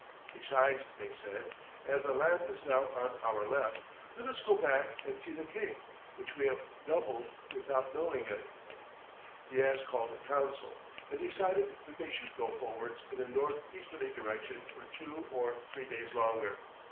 "Besides," they said, "as the land is now on our left, let us go back and see the Cape, which we have doubled without knowing it." Diaz called a council, and decided that they should go forwards in a north easterly direction for two or three days longer.